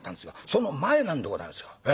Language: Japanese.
その前なんでございますよ。